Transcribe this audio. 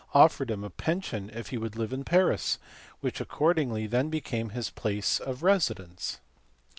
offered him a pension if he would live in Paris, which accordingly then became his place of residence.